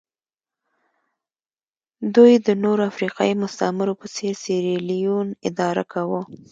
دوی د نورو افریقایي مستعمرو په څېر سیریلیون اداره کاوه.